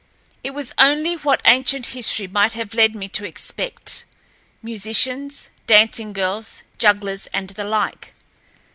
It was only what ancient history might have led me to expect—musicians, dancing girls, jugglers, and the like.